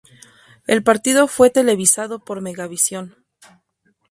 El partido fue televisado por Megavisión.